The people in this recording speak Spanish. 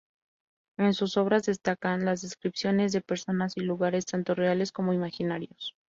En sus obras destacan las descripciones de personas y lugares, tanto reales como imaginarios.